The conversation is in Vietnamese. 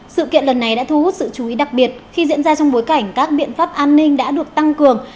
sự kiện lần này đã thu hút sự chú ý đặc biệt khi diễn ra trong bối cảnh các biện pháp an ninh đã được tăng cường